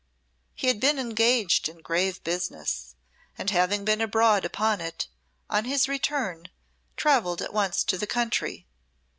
He had been engaged in grave business, and having been abroad upon it had, on his return, travelled at once to the country.